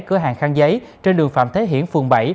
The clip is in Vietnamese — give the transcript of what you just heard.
cửa hàng kháng giấy trên đường phạm thế hiển phường bảy